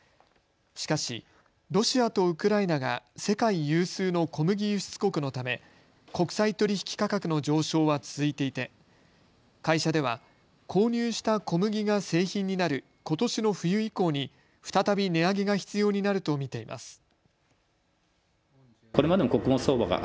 しかしロシアとウクライナが世界有数の小麦輸出国のため国際取引価格の上昇は続いていて会社では購入した小麦が製品になることしの冬以降に再び値上げが必要になると見ています。